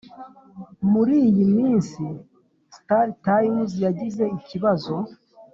muri iyi minsi, startimes yagize ikibazo